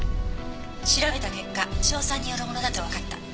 「調べた結果硝酸によるものだとわかった」